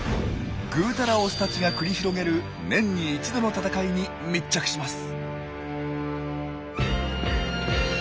ぐうたらオスたちが繰り広げる年に一度の戦いに密着します。